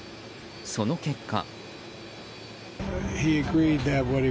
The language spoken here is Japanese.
その結果。